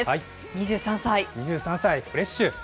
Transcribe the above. ２３歳、フレッシュ。